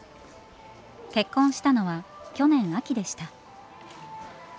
結婚したのは去年秋でした。